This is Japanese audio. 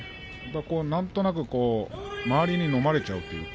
何となく周りに飲まれちゃうというか